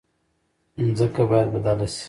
ځمکه باید بدله شي.